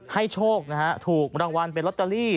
ให้โชคถูกรางวัลเป็นลอตเตอรี่